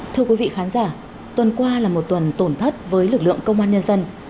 thưa quý vị khán giả tuần qua là một tuần tổn thất với lực lượng công an nhân dân